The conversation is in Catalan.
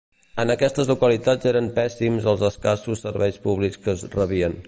En aquestes localitats eren pèssims els escassos serveis públics que es rebien.